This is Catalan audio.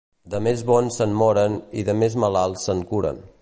De més bons se'n moren i de més malalts se'n curen.